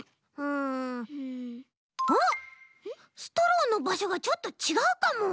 あっストローのばしょがちょっとちがうかも。